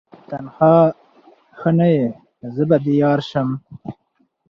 تنها ښه نه یې زه به دي یارسم